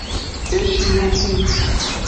Eshinuxu.